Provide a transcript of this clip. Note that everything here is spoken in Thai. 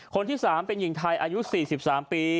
คนที่๓เป็นหญิงไทยอายุ๔๓ปี